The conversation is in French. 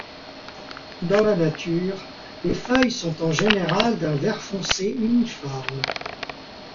Dans la nature, les feuilles sont en général d'un vert-foncé uniforme.